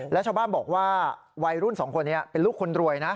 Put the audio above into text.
แล้วชาวบ้านบอกว่าวัยรุ่นสองคนนี้เป็นลูกคนรวยนะ